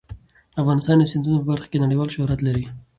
افغانستان د سیندونه په برخه کې نړیوال شهرت لري.